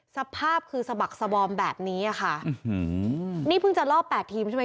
สภาพคือสะบักสบอมแบบนี้อ่ะค่ะอื้อหือนี่เพิ่งจะรอบแปดทีมใช่ไหม